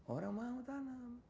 orang mau tanam